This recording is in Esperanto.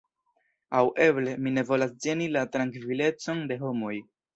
Aŭ eble, mi ne volas ĝeni la trankvilecon de homoj.